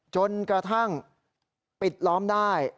จนกระทั่งปิดล้อมได้